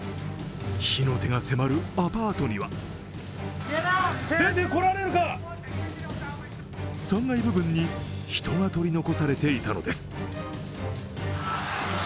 火の手が迫るアパートには３階部分に人が取り残されていたのです。